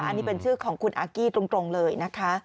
อันนี้เป็นชื่อของคุณอากี้ตรงเลยนะคะ